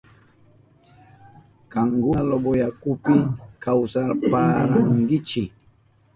Kankuna Loboyakupi kawsapayarkankichi.